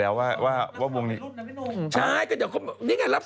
แล้วญี่ปุ่นมันเท่าไรก็๔๘หรยังไงครับ